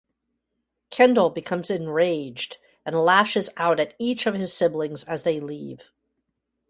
Kendall becomes enraged and lashes out at each of his siblings as they leave.